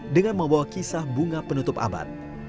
dengan membawa kisah bunga penutup abad